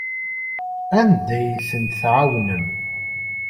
Anda ay ten-tɛawnem?